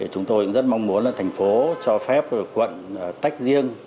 chúng tôi cũng rất mong muốn là thành phố cho phép quận tách riêng